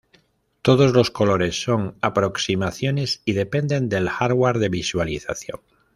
Todos los colores son aproximaciones y dependen del hardware de visualización.